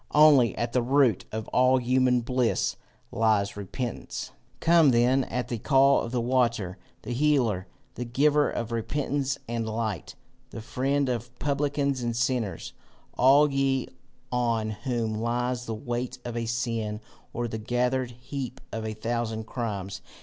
Only, at the root of all human bliss lies repentance. "Come then at the call of the Water, the Healer, the Giver of repentance and light, the Friend of publicans and sinners, all ye on whom lies the weight of a sin, or the gathered heap of a thousand crimes.